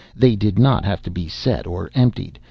They did not have to be set or emptied.